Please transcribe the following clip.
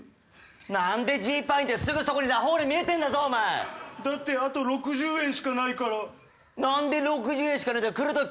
なんでジーパンいいってすぐそこにラフォーレ見えてんだぞお前だってあと６０円しかないからなんで６０円しかねえんだよ来るとき